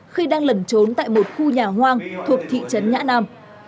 khi đang lẩn trốn tại một khu nhà hoang thuộc thị trấn nhã nam